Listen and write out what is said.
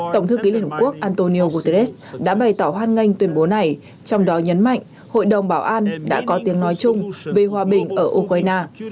tổng thư ký liên hợp quốc antonio guterres đã bày tỏ hoan nghênh tuyên bố này trong đó nhấn mạnh hội đồng bảo an đã có tiếng nói chung về hòa bình ở ukraine